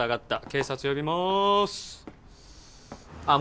警察呼びますあっ